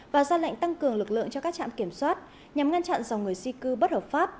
và ra lệnh tăng cường lực lượng cho các trạm kiểm soát nhằm ngăn chặn dòng người di cư bất hợp pháp